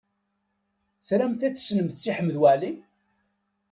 Tramt ad tessnemt Si Ḥmed Waɛli?